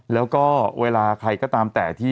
แล้วก็เวลาใครก็ตามแต่ที่